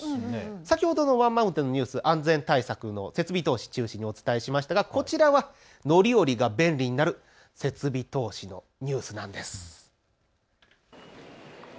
先ほどのワンマン運転のニュース、安全対策の設備投資を中心にお伝えしましたがこちらは乗り降りが便利になる設備投資のニュースなんです。